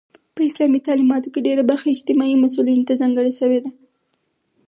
په اسلامي تعلیماتو کې ډيره برخه اجتماعي مسئولیتونو ته ځانګړې شوی ده.